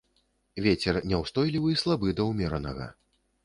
Вецер няўстойлівы, слабы да ўмеранага.